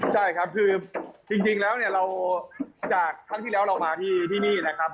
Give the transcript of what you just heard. ใช่ครับคือจริงแล้วเนี่ยเราจากครั้งที่แล้วเรามาที่นี่นะครับ